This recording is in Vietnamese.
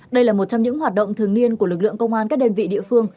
đây là một trong những hoạt động thường niên của lực lượng công an các đơn vị địa phương